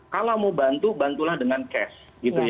kalau mau bantu bantulah dengan cash